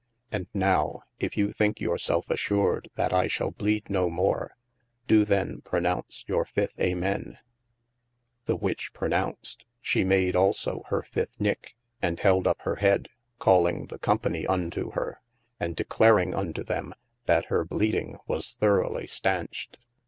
And now, if you thinke your self assured that I shall bleede no more, doe then pronounce your fifth Amen : the which pronounced, shee made also hir fifth nicke, and held up hir head, calling the company unto hir, and declaring unto them, that hir bleeding was throughly steinched.